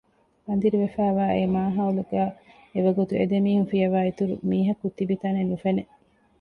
އަނދިރިވެފައިވާ އެ މާހައުލުގައި އެވަގުތު އެދެމީހުން ފިޔަވާ އިތުރު މީހަކު ތިބިތަނެއް ނުފެނެ